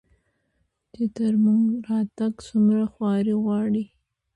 چې تر موږه راتګ څومره خواري غواړي